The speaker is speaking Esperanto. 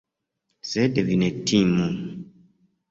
Sed vi ne timu!